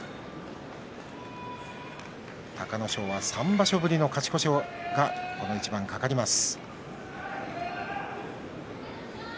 ３場所ぶりの勝ち越しがこの一番に懸かります。